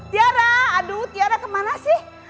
tiara aduh tiara kemana sih